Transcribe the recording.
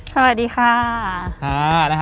สวัสดีค่ะ